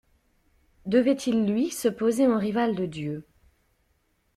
Devait-il lui, se poser en rival de Dieu.